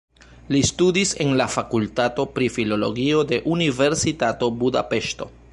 Li studis en la fakultato pri filologio de Universitato Budapeŝto.